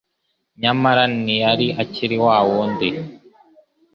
Nyamara ntiyari akiri wa wundi.